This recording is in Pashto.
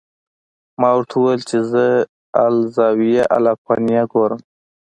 ما ورته وویل چې زه الزاویة الافغانیه ګورم.